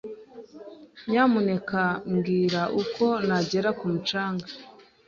Nyamuneka mbwira uko nagera ku mucanga.